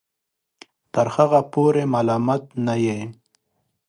تر هغه پورې ملامت نه یې